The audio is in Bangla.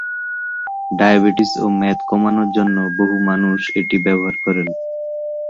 ডায়াবেটিস ও মেদ কমানোর জন্য বহু মানুষ এটি ব্যবহার করেন।